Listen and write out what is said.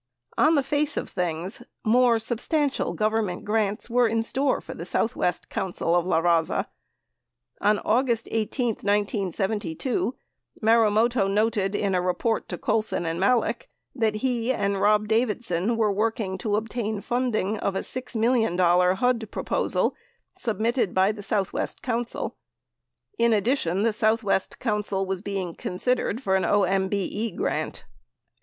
On the face of things, more substantial Government grants were in store for the Southwest Council of LaRaza. On August 18, 1972, Marumoto noted in a report to Colson and Malek that he and Rob Davison were working to obtain funding of a $6 million HUD pro posal submitted by the Southwest Council. 6 In addition, the Southwest Council was being considered for OMBE grant.